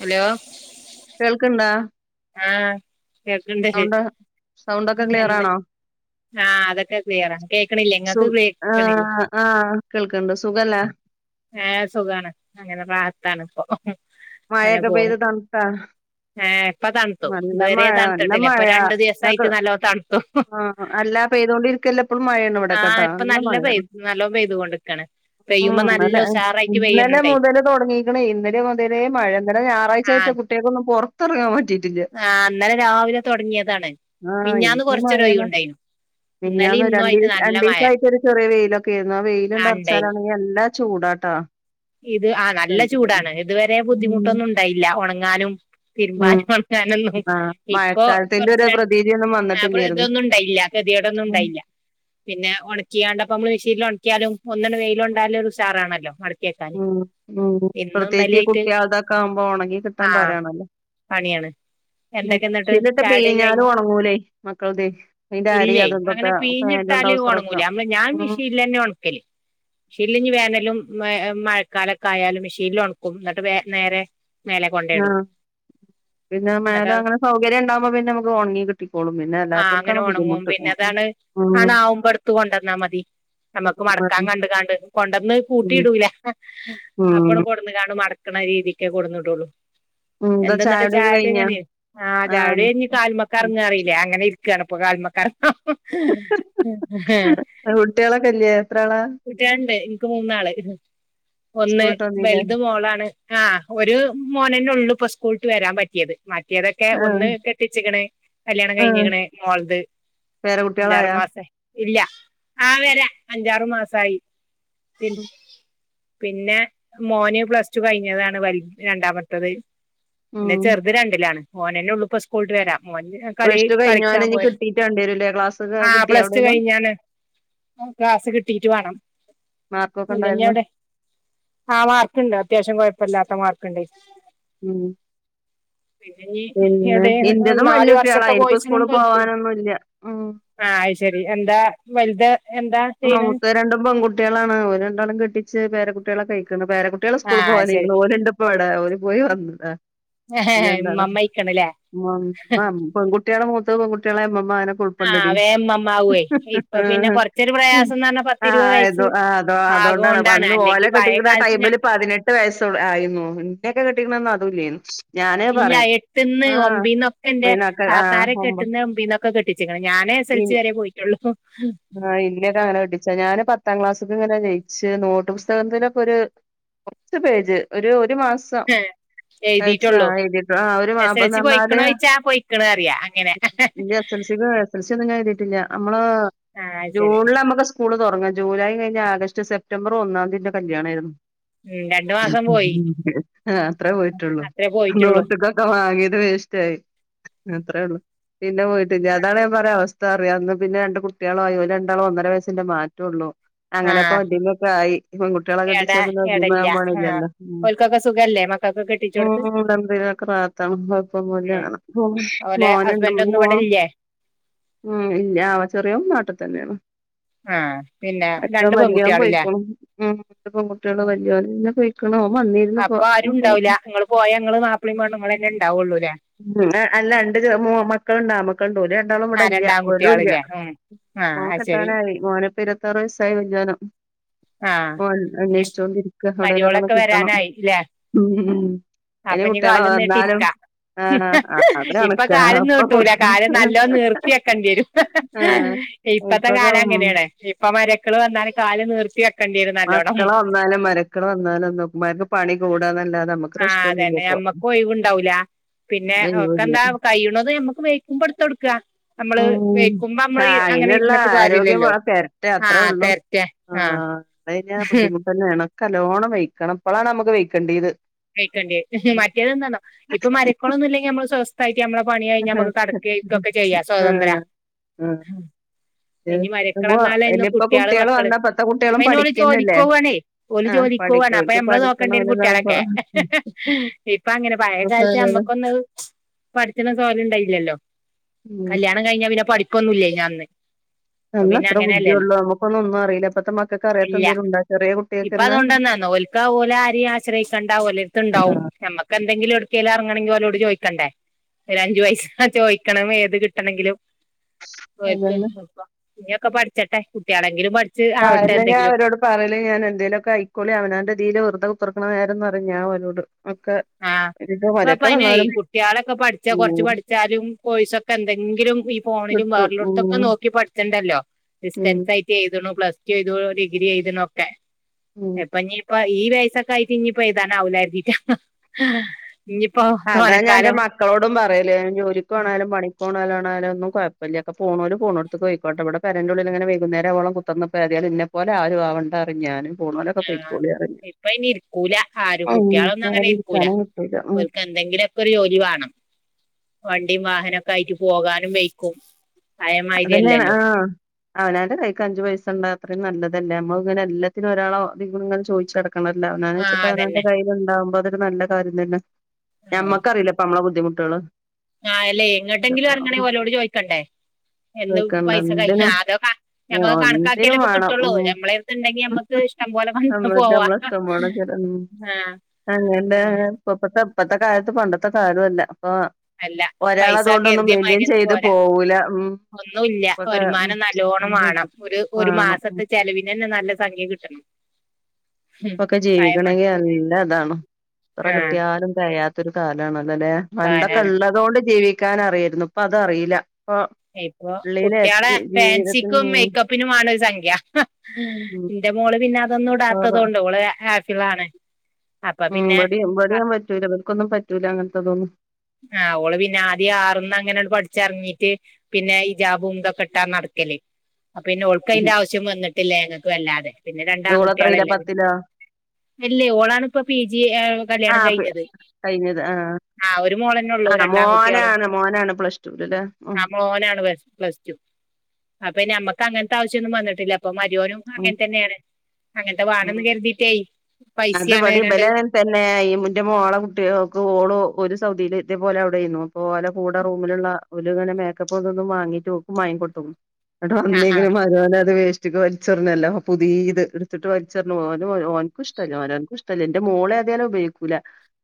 Hello കേൾക്ക്ണ്ടാ ആ കേക്ക്ണ്ട് ജ്ജ് സൗണ്ടൊക്കെ നീ എന്താ ക്ലിയറാണോ ആഹ് അതൊക്കെ ക്ലിയറാ കേക്കണില്ലേ സു ഇങ്ങക്ക് ആ കേക്കണില്ലേ ആ കേൾക്കണ്ട് സുഖല്ലേ ഏഹ് സുഖാണ് അങ്ങനെ റാഹത്താണ് ഇപ്പോ മഴക്കെ പെയ്ത് തണ്താ ഏഹ് ഇപ്പ തണ്ത്തു ഇത് വരെ നല്ല തൺത്ത്ട്ടില്ല മഴ ഇപ്പോ രണ്ട് ദിവസായിട്ട് നല്ലോ തൺത്തു ആഹ്‌ അല്ലാ പെയ്തൊണ്ടിരിക്കല്ല ഇപ്പളും മഴെണ് ഇവിടെക്കെട്ടാ ആഹ് ഇപ്പൊ നല്ല പെയ് മഴേണ് നല്ലോ പെയ്തുകൊണ്ട്ക്കാണ് ഉം പെയ്യുമ്പോ നല്ല ഇന്നലെ ഉഷാറായിട്ട് ഇന്നലെ പെയ്യുന്നുണ്ടേ മുതല് തൊടങ്ങിക്ക്ണ് ഇന്നലെ മോ തലേ മഴ ഇന്നലെ ഞാറാഴ്ചആയിട്ട് ആഹ് കുട്ടികക്കൊന്നും പൊറത്തെറങ്ങാൻ പറ്റി ആഹ് ഇന്നലെ രാവിലെ തൊട്ങ്ങിയതാണ് മിഞ്ഞാന്ന് കൊറച്ചരൊഴിവ് ഇണ്ടായിനു മിഞ്ഞാന്ന് രണ്ടി രണ്ടീസായിട്ട് ഒരു ചെറിയ വെയിലൊക്കെര്ന്നു ആഹ് വെയില്ണ്ട് അർച്ചാലാലാണ് ഇഞ് എല്ലാ ചൂടാട്ടാ ഇത് ആഹ് നല്ല ചൂടാണ് ഇതുവരെ ഉം ബുദ്ധിമുട്ടൊന്നും ഇണ്ടായില്ല ഒണങ്ങാനും ഉം തിരുമ്പാനും ഒണക്കാനൊന്നും ആഹ് ഇപ്പോ മഴക്കാലത്തിന്റെ കൊറച്ച് ഒരു രണ്ട് പ്രതീതിയൊന്നും അപ്പള് വന്നിട്ടില്ലായിരുന്നു. ഇതൊന്നും ഉണ്ടായില്ല ഗതീകെടെന്നും ഉം ഇണ്ടായില്ല പിന്നെ ഒണക്കിയാണ്ട് അപ്പ മ്മള് മെഷീൻല് ഒണ ക്കിയാലും ഒന്നണ് വെയിലൊണ്ടാ ഒരു ഉഷാറാണല്ലോ മട് ഉം ഉം പ്രത്യേകിച്ച് ഇന്നലെയായിട്ട് കുട്ടിയൾതൊക്കെ ആവുമ്പോ ഒണങ്ങി ആ കിട്ടാൻ പരാണല്ലോ പണിയാണ് എന്തൊക്കെ എന്നിട്ട് ചായൊടിക്കെ കഴിഞ്ഞ പീഞ്ഞാലും ഉണങ്ങൂലേ മക്കളതെ അതിന്റെ അരി ഇല്ലെ അതും അങ്ങനെ ഇതൊക്കെ പീഴിഞ്ഞ് പാന്റും ട്ടാല് ട്രൗസറും ഒക്കെ ഒണങ്ങൂലേ [unintelligible] ഞാൻ ഉം മിഷീലന്നെ ഒണക്കല് മിഷീലിഞ്ഞ് വേനലും മഴ മഴക്കാലൊക്കെ ആയാലും മെഷീൻല് ഒണ്ക്കും ന്നിട്ട് വേ നേരെ മേലെ കൊണ്ടെടും ആഹ് പിന്നെ മേലെ അങ്ങനെ സൗകര്യ ഇണ്ടാവുമ്പ പിന്നെ നമക്ക് ഒണങ്ങി കിട്ടിക്കോളും പിന്നെ അല്ലാത്തോൽ ക്കാണ് ബുദ്ധിമുട്ട് ആഹ് താണ്. ആണ് ആവുമ്പെടുത്ത് കൊണ്ടന്നാ മതി. ഉം ഉം നമക്ക് മടക്കാൻ മതി. കണ്ട്ക്കാണ്ട് കൊണ്ടന്ന് കൂട്ടി ഉം ഇടൂല. അപ്പണ് ഉം കൊണ്ടന്ന്ക്കാണ് മടക്കണ രീതിക്കെ കൊണ്ട്ന്നീടൂളൂ. എന്താ എന്തന്നടെ ചായകുടിയൊക്കെ കഴിഞ്ഞോ [unintelligible] ആ ആഹ് ചായയൂടിഴിഞ്ഞ് കാലുമെ [unintelligible] അങ്ങനെ ഇര് രിക്കയാണ്. ഇപ്പ കാല്മക്ക കുട്ടികളൊക്കെല്ലേ എത്ര ആളാ കുട്ടിയാളുണ്ടെ. ക്ക് മൂന്നാള് ഒന്ന് സ്കൂളിട്ട് വന്നീലെ വല്ത് മോളാണ്. ആഹ് ഒരു മോനന്നെ ഒള്ളു ഇപ്പ സ്‌ കൂള്ട്ട് വരാൻ പറ്റിയത്. മറ്റേതൊക്കെ ആഹ് ഒന്ന് കെട്ടിച്ചേക്ക്ണ്. കല്യാണം ആഹ് കഴിഞ്ഞേക്ക്ണ് മോൾത്. അഞ്ചാറ് പേരകുട്ടികളായാ മാസായി. ഇല്ല. ആ വെരാ അഞ്ചാറ് മാസായി പി പിന്നെ മോന് പ്ലസ്ടു കഴിഞ്ഞതാണ്. വല് രണ്ടാമത്തത്. പിന്നെ ഉം ചെറ്ത് രണ്ടിലാണ്. ഓന് ന്നെയുള്ളൂ പ്പ സ്കൂൾട്ട് വെരാ ഓന് കളി പ്ലസ് ടു കഴിഞ്ഞോനെ കളിക്കാൻ ഇനി പോയ കിട്ടീട്ട് വേണ്ടിവരൂല്ലേ ക്ലാസ് ഒക്കെ ആ കിട്ടിയോ പ്ലസ്ടു എവിടേലും കഴിഞ്ഞാണ്. ഓൻ ക്ലാസ് കിട്ടീട്ട് വേണം. മാർക്കൊക്കെ ഉണ്ടായിരുന്നോ [unintelligible] ആ മാർക്ക്ണ്ട്. അത്യാവശ്യം കൊഴപ്പല്ലാത്ത മാർക്ക്ണ്ട്. ഉം പിന്നെ ഇഞ്ഞ് പിന്നെ എവിടെ ഉ ഇന്റതും വല്യ നാല് കുട്ടികളാ വർഷത്തെ എനിക്ക് കോഴ്സിന് സ്കൂളിൽ [unintelligible] പോവാനൊന്നും ഇല്ല ഉം ആഹ് അയ് ശരി എന്താ വല്ത് നമുക്ക് രണ്ടും പെങ്കുട്ടികളാണ്. ഓല് രണ്ടാളേം കെട്ടിച്ച് പേരകുട്ടികളൊക്കെ ആയി. [unintelligible] പേരകുട്ടികള് ആ സ്കൂള് ശരി പോവാനായിക്ക്ണ്. ഓല്ണ്ട് ഇപ്പവിടെ ഓല് പോയി വന്നതാ. ഓല് രണ്ടാളും. മമ്മയിക്കണല്ലേ [unintelligible] പെൺകുട്ടിളെ മൂത്തെ പെൺകുട്ടിളാവുമ്പം ആഹ് വേം മമ്മാവേ ഇപ്പൊ പിന്നെ കൊറച്ചൊരു [unintelligible] പ്രയാസംന്ന് പറഞ്ഞാ പത്തിരുപത് ആഹ് അതോ വയസ്സ് ആഹ് അതോ അതോണ്ടാണ്. ആകോണ്ടാണ് അന്ന് അല്ലെങ്കി ഓലേ പഴയ കെട്ടിക്കണ കാലത്ത് ഞ ടൈമില് പതിനെട്ട് വയസ് ച്ചൊൾ ആയിന്നു ഇന്നെക്കെ കെട്ടിക്ക്ണന്ന് അതുല്യേന്നു. ഇല്ല എട്ട്ന്ന് ഒമ്പയ്ന്നൊക്കെന്റെ പിന്നൊക്കെ ആഹ് താത്താരെക്കെ ഒമ്പ എട്ട്ന്നെ ഒമ്പയ്ന്നൊ ക്കെ കെട്ടിച്ച്ക്ക്ണ് ഞാനേ എസ് എൽ സി വരെ പോയിട്ടൊള്ളൂ ചെ ഞാന് പത്താം ക്ലാസ്സ്ക്ക്ങ്ങനെ ജയിച്ച് നോട്ടുപുസ്തകത്തിനൊക്കൊര് കൊറച്ച് പേജ് ഒരു ഒരു മാസം. ഏഹ് തഴിച്ചാ എഴുതിയിട്ടുള്ളൂ എഴുതിട്ട ആ ഒരു എസ് എൽ സി മാപ്പന്നർന്നാല് പൊയ്ക്കണോയ്ച്ചാ പൊയ്ക്കണ് അറിയാ അങ്ങനെ ല്ല്യാച്ച് എസിക്കൊ എസ് എൽ സി ഒന്നും ഞാൻ എഴ്തിട്ടില്ല നമ്മള് ആഹ് അത് ശരി ജൂണിലമ്മക്ക് സ് കൂള് തൊറങ്ങ ജൂലൈ കഴിഞ്ഞ ആഗസ്റ്റ് സെപ്റ്റംബർ ഒന്നതീ ൻ്റെ കല്യാണായിരുന്നു. ഉം രണ്ടു ഹ് മാസം പോയി ഉംഉംഹ് ഹെ അത്ര പോയിട്ടുള്ളൂ അത്രേ പോയിട്ടുള്ളൂ നോട്ടക്കൊക്കെ വാങ്ങി ക്കെ വേസ്റ്റായി അത്രേ ഉ ള്ളു പിന്നെ പോയിട്ടില്ല അതാണെ ഓരെ അവസ്ഥാറിയാർന്നു പിന്നെ രണ്ടു കുട്ട്യാളായി ഓല് രണ്ടാളു ഒന്നര വയസ്സിന്റെ മാറ്റൊള്ളൂ. അങ്ങനെപ്പൊ ആഹ് വെല്ല്യമൊക്കെ ആയി പെൺകുട്ട്യാളെ എട കെട്ടിച്ചാ പിന്നെ എടല്ല വല്ലിമ്മാവാൻ ആഹ് പണിലല്ലോ ഉം. ഓൽക്കൊക്കെ സുഖല്ലേ മക്കക്കൊക്കെ ഉ കെട്ടിച്ചോട്ത്ത് ഉടമ്പിലാക്ക ഭാത്താണ് കൊയപ്പൊന്നുല്ലാ ണം ഔ മോന്ണ്ട്. മോന് ഇവടില്ലേ? ഉ ഇല്ല ആ വ് ചെറിയോൻ നാട്ടി തന്നേണ്. ആ പിന്നെ മറ്റോൻ രണ്ട് വല്യോൻ പെൺകുട്ടികളില്ലേ പൊയിക്ണു ഉം പെൺകുട്ട്യാൾ വല്യോനിന്ന് പോയി അപ്പൊ ആരുണ്ടാവൂല ഇങ്ങള് പോയ ഇങ്ങള് മാപ്പളിം പെണ്ണുങ്ങളന്നെ ഉണ്ടാവുള്ളൂലേ. ഉ അല്ല രണ്ട് ചെ മു മക്കളുണ്ട് ആമക്കളുണ്ട് ഓല് രണ്ടാളും ഇവിടില്ല ഓലുല്ല. ഉം ഉം മോൻക്കെട്ടാനായി മോനിപോ ഇരുപത്താറു വയസ്സായി വല്യോന്. ആ ഓൻ ഇനി അന്വേഷിച്ചോണ്ടിരിക്ക എവിടേലൊക്കെ ഒന്ന് മരിയോളൊക്കെ കിട്ടണം വരാനായി ല്ലേ. ഉം അയിന് അപ്പൊ ഞ്ഞ് കുട്ട്യാളെ കാലു വന്നാലും നീട്ടിരിക്ക. ആഹ് ആഹ് അത് ഇപ്പൊ കണക്കാ അപ്പൊ കാലുന്നീട്ടൂല കുട്ടി കാല് നല്ലോം നീർത്തിക്കേണ്ടിരും ആഹ് ഇപ്പത്തെ ഇപ്പൊക്കെ ഉം കാലങ്ങനേണ് ഇപ്പൊ മരക്കൾ വന്നാല് കാല് നീർ മക്കള് വന്നാലും മരക്കൾ വന്നാലൊന്നും മ്മാർക്ക് പണി കൂടാന്നല്ലാ ആ അതന്നെ നമ്മക്കു ഒഴിവുണ്ടാവൂല. പിന്നെ ഒരൊഴിവുല്ല ഓക്കെന്താ കയ്യുണതും ഞമ്മക്ക് വെയിക്കുമ്പോ ഇടുത്തൊടുക്ക. ഉം ആ അയിനുള്ള ഇരുന്നിട്ട് ആരോഗ്യ വ കാര്യല്ലല്ലോ തരട്ടെ ആഹ് അത്രേള്ളു തെരറ്റെ ആ. ആഹ് ഴിഞ്ഞാ ബുദ്ധിമുട്ടെനേണ് ൻകല്ലോണം വെയ്ക്കണം ഇപ്പളാണമ്മക്ക് വെയ്ക്കണ്ടേത്. വെയിക്കണ്ട്യ ഉം ഹ് മറ്റേതെന്തന്നോ ഇപ്പ മരക്കൊളൊന്നുല്ലെങ്കിൽ നമ്മൾ സ്വസ് നമ്മള പണി കഴിഞ്ഞ നമ്മക്ക് കടക്കെ ഇരിക്കൊക്കെ ചെയ്യ സ്വതന്ത്ര. ആഹ് ആഹ് ഉഹ് ഇത് ഇഞ്ഞ് അപ്പൊ മരക്കളന്നാലയ്ന്ന് ഇനിയിപ്പോ കുട്ട്യാള് കുട്ടികള് മക്കള് വന്നാ ഇപ്പത്തെ കുട്ടികളും പ്പയ്‌നോല് പഠിക്കന്നല്ലേ ജോലിക്കോവാണേ ഓല് ആഹ് ജോലി ലിക്കുവാണ് പഠിക്കും അപ്പ ഓൽക്ക് നമ്മള് പഠിക്കണം നോക്കേണ്ട്യരും ഓലിതാവുമ്പോ കുട്ട്യാളൊക്കെ ഹ്. ഹേ ഹേ ഇപ്പങ്ങനെ പഴയ കാലത്ത് നമ്മക്കൊന്ന് പഠിച്ച്ണ സൊഹലുണ്ടായില്ലല്ലോ. ഉം കല്യാണം കഴിഞ്ഞാ പിന്നെ പഠിപ്പൊന്നുല്ലയ്‌ന് അന്ന്. അപ്പൊ പിന്നെ അന്നത്ര അങ്ങനെയല്ലല്ലോ ബുദ്ധിയൊള്ളു നമ്മക്കൊന്നും ഒന്നു അറിയില്ലപ്പത്തെ മക്കക്ക് അറിയാത്ത ഇല്ല എന്തേലുണ്ടോ ചെറിയ കുട്ട്യാക്കെന്നെ. ക്ക ഓലാരി ആശ്രയിക്കണ്ട ഓലെടുത്തുണ്ടാവും ആഹ് നമ്മക്കെ ന്തെങ്കിലും ഒട്ക്കേലു അറങ്ങണങ്കിൽ ഓലോട് ചോയിക്കണ്ടേ ഒരു അഞ്ചു പയ്സ ചോയിക്കണമേത് കിട്ടണെങ്കിലും. ദോരക്ക് അതന്നെ എളുപ്പാ ഇഞ്ഞൊക്കെ പഠിച്ചട്ടെ കുട്ട്യാളെങ്കിലും പഠി ആ എന്നെ ഞാ അവരോട് പറയല് ഞാൻ എന്തേലൊക്കെ അയിക്കോളി അവനാന്റെതീല് വെുതെ കുത്ര ക്ക്ണ നേരന്നറി ഞാ ഓലോട്. ഹ് ഒരു പ്പപനേയ് കുട്ട്യാളൊക്കെ പഠിച്ചാ കൊറച്ച് പഠിച്ചാലും കോയ്സൊക്കെന്തെങ്കിലും ഈ ഫോണിലും വ് കിട്ടും റലോട്ത്തൊക്കെ ഉം നോക്കി പഠിച്ച്ണ്ടല്ലോ ഉം ഡിസ്‌റ്റൻസായിട്ട് എഴതുണു പ്ലസ് ചെയ്തു ഡിഗ്രി എയ്തണൊക്കെ ഉം എപ്പഞ്ഞ് പ ഈ വയസ്സൊക്കെ ആയിട്ട് ഇഞ്ഞ്പ്പ എഴുതാനാവൂലര്തീട്ടാണ്. അതാ ഞാന്റെ മക്കളോടും പറയല് ജോലിക്കോണേരം പണി പോണോലണേലൊന്നും കുഴപ്പല്ല ഒക്കെ പോണോല് പോണോടുത്ത്ക്ക് പൊയിക്കോട്ടെ ഇവ്ടെ പെരൻ്റുള്ളിലിങ്ങനെ വൈകുന്നേരാവോളം കുത്ത്രന്ന് പ്പേതായാലും ഇന്നെ പോലെ ആരു ആവണ്ടാറി ഞാൻ. ആ ഇപ്പൊ അയിനിരിക്കൂല ആരും കുട്ട്യാളൊന്നും അങ്ങനെ ആരിം ഇരിക്കൂല. ഇരിക്കാനും കിട്ടൂല ഉം ഓല്ക്കെന്തെങ്കിലൊ ക്കൊരു ജോലി വാണം വണ്ടിം വാഹനൊക്കായിട്ട് പോകാനും വെയ്ക്കും. പഴയമാതിരി അതന്നെയാ അല്ലല്ലോ ആ അവനാൻ്റെ കൈക്ക് അഞ്ചു പൈസ ണ്ടാക്കുണത് നല്ലത് ലെമ്മളങ്ങനെ എല്ലാത്തിനും ഒരാളെങ്ങനെ ചോയ്ച്ചടക്കണല്ലോ അവന്നന് ആഹ് ച്ച് അവനാൻ്റെ അതന്നെ കയ്യിലുണ്ടാകുംബം അത് നല്ല കാര്യം തന്നെ ഞമ്മക്കറിയില്ലേ ഇപ്പ നമ്മളെ ബുദ്ധിമുട്ടുകള് ആ അല്ലേ എങ്ങോട്ടെങ്കിലും എറങ്ങണെൽ ഓരോട് ചോയ്ക്കണ്ടേ എന്ത് കേക്കണ്ട പൈസ കഴിഞ്ഞോ എന്തിനും അതോ ഞമ്മക്ക് കണക്കാക്കിയേ ഒന്നിനും ഇപ്പൊ വേണം കിട്ടുള്ളൂ ഉം മ്മളെടുത്ത് ഉണ്ടെങ്കി നമ്മുക്ക് ഇഷ്ടം പോലെ വന്നക്ക നമ്മക്ക് പോവാ നമ്മളെ ഇഷ്ടം പോലെ ചെല ഉം ആ അങ്ങനെ ഇപ്പത്തെ ഇപ്പത്തെ കാലത്ത് പണ്ടത്തെ കാലല്ല ആ അല്ല ഒരാൾ പൈസ അതുകൊണ്ടൊന്നും മെയിന്റ്റെയിൻ ചെയ്ത് പോവൂല ഉം ഒന്നുല്ല്യ ഇപ്പൊക്കെ ഉം വരുമാനം നല്ലോണം ഉം വേണം ഒരു ഒരു വേണം ഉം മാസത്തെ ചെലവിന് തന്നെ നല്ല സംഖ്യ കിട്ടും ഇപ്പൊക്കെ പയമ ജീവിക്കണമെങ്കിൽ നല്ല അതാണ് എത്ര ആഹ് കിട്ടിയാലും തെകയാത്തൊരു കാലണല്ലോ അല്ലെ പണ്ടൊക്കെ കാലാണ് ള്ളതോണ്ട് ജീവിക്കാൻ അറിയായിരുന്നു ഇപ്പ തറിയില്ല ഇപ്പൊ കുട്ടികളെ ജീവിതത്തിന് ഫാൻസിക്കും ഉം മേക്കപ്പിനും വേണം ഒരു സംഖ്യ ഉം എന്റെ മോള് പിന്നെ അതൊന്നും കൊറ ഇടാത്തതോണ്ട് ഓള് ഹാഫിളാണ് അപ്പൊ ഉം പിന്നെ ഇവിടെ ഇവിടേം പറ്റൂല ഇവർക്കൊന്നും പറ്റൂല അങ്ങനത്തെതൊന്നും ആ ഓള് പിന്നെ ആദ്യം ആറ്ന്ന് അങ്ങനെ പഠിച്ചിറങ്ങീട്ട് പിന്നെ ഹിജാബും തൊക്കെ ഇട്ടാ നട [unintelligible] അപ്പൊ പിന്നെ ഓൾക്കയിന്റെ ആവശ്യം വന്നിട്ടില്ല ഞങ്ങൾക്ക് വല്ലാതെ പിന്നെ രണ്ട് ഓളെത്രയിലാ ആൺകുട്ടികളല്ലേ പത്തിലോ അല്ലേ ഓളാണിപ്പം പി ജി കല്യാണം ആഹ് കഴിഞ്ഞത് കഴിഞ്ഞത് ആഹ് ആ മോളനള്ളൂ ആഹ് രണ്ടാംകുട്ടികളും മോനാണ് മോനാണ് പ്ലസ് ടുവില് ല്ലേ ഉം ആ മോനാണ് പ്ലസ് ടു അപ്പൊ പിന്നെ അമ്മക്കാണെ അങ്ങനത്തെ ആവശ്യംന്നും വന്നിട്ടില്ല അപ്പ മരോനും ഉം അങ്ങനെ തന്നെയാണ് അങ്ങനത്തെ ഉം വാണന്ന് കരുതിയിട്ടേ അത് പടി ബലം തന്നെ ഈ മുറ്റമ്മ ആളെ കുട്ടികൾക്ക് ഓള് ഒരു സൗദിയിൽ ഇതേ പോലെ അവിടെയ്ന്നു അപ്പോ ല കൂടെ റൂമിലുള്ള ഒരു ഇങ്ങന മേക്കപ്പ്തൊന്ന വാങ്ങിട്ട് ഓക്കും വാങ്ങികൊടുത്തു അവ്ടെ ആ ആ വന്നെങ്കിലും മരോനത് വേഷ് [unintelligible] വലിച്ചെറിഞ്ഞല്ലോ പുതിത് എടുത്തിട്ട് വലിച്ചെറിഞ്ഞു പോഓ ഓന് ഇഷ്ട ഓനത് ഇഷ്‌ടല്ലാ ൻ്റെ മോളേതാലും ഉപയോഗിക്കൂല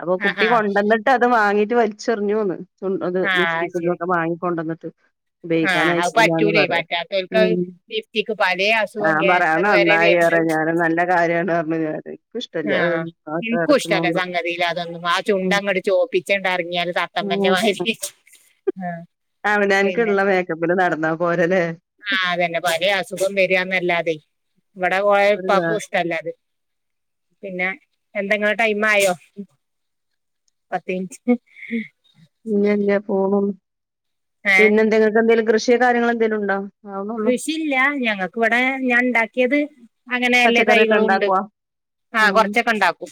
അപ്പൊ കുട്ടി ആ ആ കൊണ്ടന്നിട്ട് അത് വാങ്ങി വലിച്ചെറിഞ്ഞുന്ന് ചു അത് ആ ശരി ലിഫ്റ്റിക്കൊക്കെ വാങ്ങിക്കൊണ്ട വന്നിട്ട് ആ അത് ഉപയോഗിക്കാൻയച്ചലന്ന് പറ്റൂലേ പറ പറ്റാത്തവർക്ക് അത് ഉം ലിഫ്റ്റിക്ക് പലേ അസുഖം ഞാൻ പറയാ അത് ക്യാൻസർ വരെ നന്നായി വരുന്നത് [unintelligible] ഞാൻ നല്ല കാര്യമാണ് പറഞ്ഞു ഞാന് എനിക്കിഷ്ടല്ല ആ അത് അകത്ത് എനിക്കും ഇഷ്ടല്ലേ കെടക്കണോണ്ട് സംഗതിയിൽ അതൊന്നും ആ ഉം ചുണ്ടങ്ങട് ചോപ്പിച്ചണ്ടറങ്ങിയാല് തട്ടം ഉം [unintelligible] അവനാൻക്ക്ള്ള മേ ആ അതന്നെ പല അസുഖം വരാന്നല്ലാതെ ഇവിടെ ഓര ഒരു ഉപ്പാക്കും കാര്യം ഇഷ്ടല്ല അത് പിന്നെ എന്തെങ്ങെളെ ടൈം ആയോ പത്ത് മിനിറ്റ് ഇല്ല ഇല്ല പോകും ഏ പിന്നെ എന്തെങ്ങൾക്ക് എന്തേലും കൃഷിയെ കാര്യങ്ങൾ എന്തെലും ഉണ്ടോ ആവുന്നൊള്ളൂ കൃഷിയില്ല ഞങ്ങക്ക് ഇവിടെ ഞാൻ ഇണ്ടാക്കിയത് അങ്ങനെ എല്ലേ പച്ചക്കറിയൊക്കെ തൈകളും ഉണ്ട് ഇണ്ടാക്കോ ആ ഉം കൊറച്ചൊക്കെ ഉണ്ടാക്കും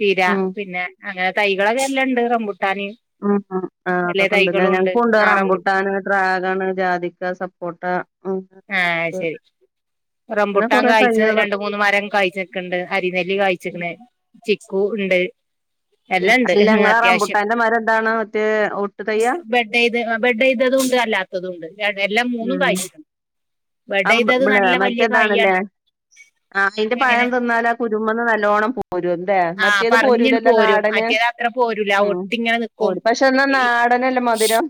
ചീര ഉം പിന്നെ അങ്ങനെ തൈകളൊക്കെ എല്ലാം ഉണ്ട് റംബൂ ഉം ആ അതൊക്കെ ഇണ്ടല്ലേ ഞങ്ങക്കും ഉണ്ട് ആ റംബു റമ്പുട്ടാന് ട്രാഗണ് ജാതിക്ക സപ്പോട്ട ഉം ആ അത് ശരി അങ്ങനെ റംമ്പുട്ടൻ കൊറേ കയ്ച്ച് തൈകള് രണ്ട് മൂന്ന് മരം കായച്ചക്കണ്ട് അരിനെല്ലി കായ്ച്ചിക്കണ് ചിക്കു ഉണ്ട് ഉം എല്ലാണ്ട് അല്ല ഇങ്ങളെ അത്യാവശ്യം റംബുട്ടാന്റെ മരം എന്താണ് മറ്റേ ഒട്ട് തയ്യാ ബൈഡൈത് ബെഡൈത് തുണ്ട് അല്ലാത്തതുംണ്ട് എല്ലാം മൂന്നും കായ്ച് അ മറ്റേതാണല്ലേ കായാണ് ആ ന്റെ എങ്ങനെ പഴം തിന്നാല ആ കുരുമന്ന് നല്ലോണം പോരും എന്തേ ആഹ് മറ്റേത് പറഞ്ഞിങ്ങട് പോരൂലല്ലോ പോരും നാടന് മറ്റേത് അത്ര പോരൂല ഉം ഒട്ടിങ്ങനെ നിക്കും ഓടി പക്ഷെ ഒന്നാ നാടനല്ലേ മധുരം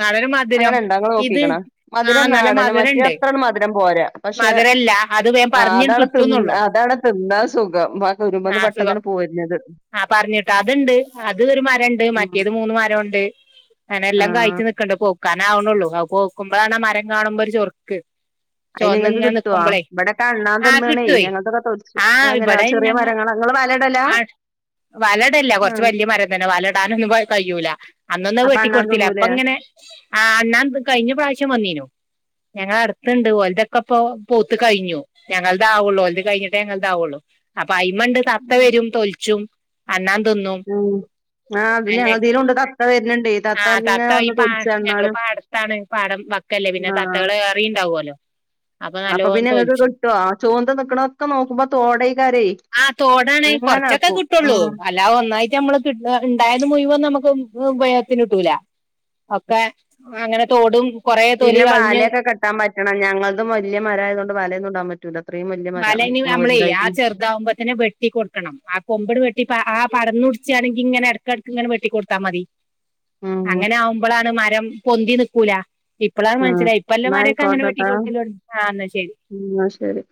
വളരെ അങ്ങനെ മധുരം ണ്ടോ ഇങ്ങള് ഇത് നോക്കിക്ക്ണോ അധികം ആഹ് നല്ല നാടനും മറ്റേ മധുരണ്ട് അത്രണ്ട് മധുരം പോരാ പഷേ മധുരല്ല അത് വേം ആ പറഞ്ഞിട്ട് അതാണ് തി കിട്ടുന്നുള്ളൂ അതാണ് തിന്നാ സുഖം മ്മള്ത് ആഹ് അസുഖം പെട്ടെന്നാണ് പോയിരുന്നത് ആഹ് പറഞ്ട്ടോ അത്ണ്ട് അത് ഒരു മരംണ്ട് ഉം മറ്റേത് മൂന്ന് മരംഒണ്ട് അങ്ങനെ ആ എല്ലാം കഴ്‌ ച്ച് നിക്ക്ണ്ട് പോക്കാനാവ്ണൊള്ളൂ പോക്കുമ്പഴാണ് ആ മരം കാണുമ്പോൾ ഒരു ചെറുക്ക് അയിന് ഇങ്ങക്ക് കിട്ടുവോ ഇബടത്തെ അണ്ണാൻ ആഹ് തിന്ന് ആണേ കിട്ടുവേ ഞങ്ങൾദ്ക്കെ ത് ആഹ് അങ്ങനെ ഇവിടെ ചെറിയ ഞങ്ങളെ മരങ്ങള ഇങ്ങള് വലഇടലാ ആ വലടല്ല കുറച്ച് വല്യ മരം തന്നെ വലയിടാനൊന്നും കയ്യൂല അന്നൊന്നും അപ്പൊ അണ്ണാൻ വെട്ടിക്കൊടുത്തില്ല പ്പ തിന്നൂലേ ഇങ്ങനെ ആ അണ്ണാൻ കഴിഞ്ഞ പ്രാവശ്യം വന്നീനു ഞങ്ങ അടുത്ത്ണ്ട് ഒലതൊക്കെ ഇപ്പ പൂത്തു കഴിഞ്ഞു ഞങ്ങളത് ആവ്ള്ളൂ ഒലത് കഴിഞ്ഞിട്ടേ ഞങ്ങൽതാവൊള്ളു അപ്പൊ അയിമ്മേണ്ട് തത്ത വരും തൊലിച്ചും അണ്ണാ ഉം ആത് ഞങ്ങതീലും ഉണ്ട് തത്ത വര്ണ്ണ്ടെ തത്തന്നെ ത്ത ഈ പാ ഞങ്ങള് പാടത്താണ് പാടം വക്കല്ലേ പിന്നെ ആ തത്തകൾ ഏറെണ്ടാവല്ലോ അപ്പൊ പിന്നെ ങ്ങക്ക് കിട്ട്വൊ ആ ചൂന്ത് നിക്കണഒക്കെ നോക്കുമ്പോ തോട ആ തോടാണെ കൊറച്ചൊക്കെ കിട്ടൊള്ളൂ ഉം അല്ലാ ഒന്നായിട്ട് മ്മള് കി ണ്ടായത് മുയ്യൻ നമുക്ക് ഉപയൊഗത്തിന് കട്ടൂല ഒക്കെ അങ്ങനെ തോടും കൊറേ തൊലി പിന്നെ കളഞ്ഞ് വാലയൊക്കെ കെട്ടാൻ പറ്റണം ഞങ്ങൾതും വല്യ മരം ആയതുകൊണ്ട് വലന്നും ഇടാൻ പറ്റൂല അത്രയും വല്യ വല മരാണ് ഇനി അയിക്കുണു നമ്മളെ ആ വലുതായിക്കുണു ചെറുതാവുമ്പത്തിന് വെട്ടി കൊടുക്കണം ആ കൊമ്പിട് വെ ഇപ്പ ആ പടന്ന് പിടിച്ചാണെങ്കി ഇങ്ങനെ എടക്ക്ടക്ക് ഇങ്ങനെ വെട്ടികൊടുത്താ മതി ഉം അങ്ങനെ ആവുമ്പളാണ് മരം പൊന്തി നിക്കൂല ഇപ്പളാണ് ആഹ് മനസ്സിലായി ഇപ്പ ന്നാ ല്ലമാരൊക്കെ അങ്ങനെ വെട്ടി ആയിക്കോട്ടെട്ടോ കൊടുക്കല് തൊടങ്ങി ആ എന്നാ ശെരി ഉം ന്നാ ശരി